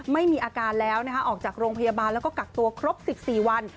ไม่มีอาการแล้วนะคะออกจากโรงพยาบาลแล้วก็กักตัวครบ๑๔วัน